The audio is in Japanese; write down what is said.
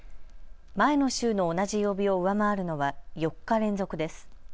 前の週の同じ曜日を上回るのは４日連続です。